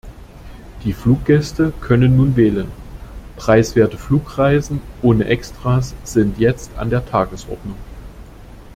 Die Fluggäste können nun wählen, preiswerte Flugreisen ohne Extras sind jetzt an der Tagesordnung.